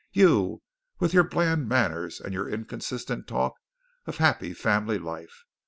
You, with your bland manners and your inconsistent talk of happy family life.